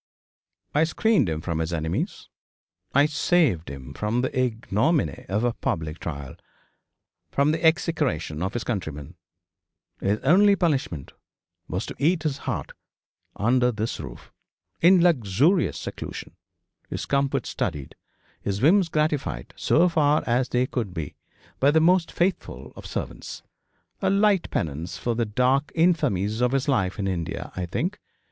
I screened him from his enemies I saved him from the ignominy of a public trial from the execration of his countrymen. His only punishment was to eat his heart under this roof, in luxurious seclusion, his comfort studied, his whims gratified so far as they could be by the most faithful of servants. A light penance for the dark infamies of his life in India, I think.